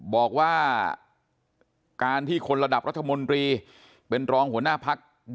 บอกว่าการที่คนระดับรัฐมนตรีเป็นรองหัวหน้าพัก